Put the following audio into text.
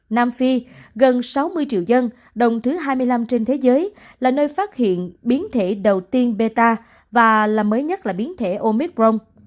nam phi gần sáu mươi triệu dân đồng thứ hai mươi năm trên thế giới là nơi phát hiện biến thể đầu tiên beta và là mới nhất là biến thể omicron